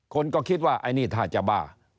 คนก็คิดว่าอันนี้ท่าจะบ้า